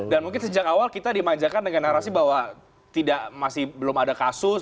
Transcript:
dan mungkin sejak awal kita dimanjakan dengan narasi bahwa tidak masih belum ada kasus